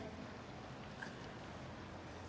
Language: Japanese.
あっ